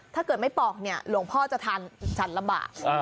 ถ้าเกิดไม่ปอกเนี่ยหลวงพ่อจะทานฉันลำบาก